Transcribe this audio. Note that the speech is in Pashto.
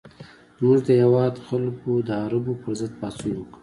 زموږ د هېواد خلکو د عربو پر ضد پاڅون وکړ.